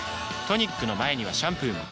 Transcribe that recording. トニックの前にはシャンプーも